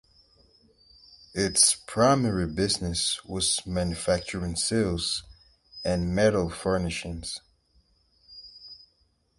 Its primary business was manufacturing safes and metal furnishings.